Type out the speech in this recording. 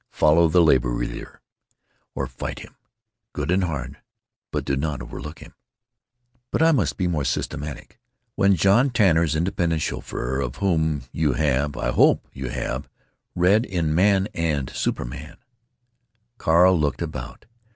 Follow the labor leader. Or fight him, good and hard. But do not overlook him. "But I must be more systematic. When John Tanner's independent chauffeur, of whom you have—I hope you have—read in Man and Superman——" Carl looked about.